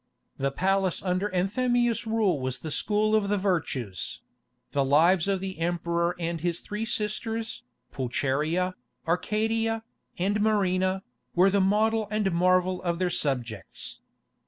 The palace under Anthemius' rule was the school of the virtues: the lives of the emperor and his three sisters, Pulcheria, Arcadia, and Marina, were the model and the marvel of their subjects.